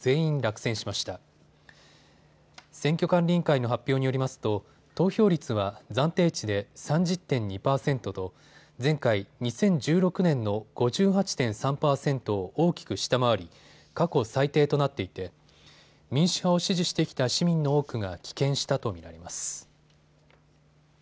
選挙管理委員会の発表によりますと投票率は暫定値で３０．２％と前回２０１６年の５８．３％を大きく下回り過去最低となっていて民主派を支持してきた市民の多くが棄権したと見られます。